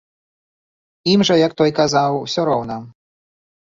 Ім жа, як той казаў, усё роўна.